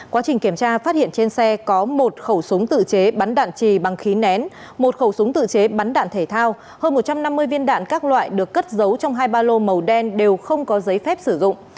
quá trình kiểm tra phát hiện trên xe có một khẩu súng tự chế bắn đạn trì bằng khí nén một khẩu súng tự chế bắn đạn thể thao hơn một trăm năm mươi viên đạn các loại được cất giấu trong hai ba lô màu đen đều không có giấy phép sử dụng